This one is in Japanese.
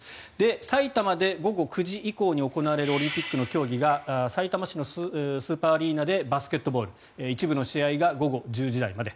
埼玉で午後９時以降に行われるオリンピックの競技がさいたま市のスーパーアリーナでバスケットボール一部の試合が午後１０時台まで。